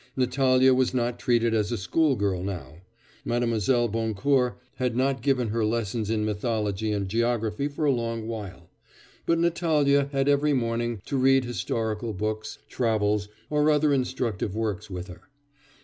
Natalya was not treated as a school girl now. Mlle. Boncourt had not given her lessons in mythology and geography for a long while; but Natalya had every morning to read historical books, travels, or other instructive works with her.